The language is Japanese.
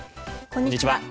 こんにちは。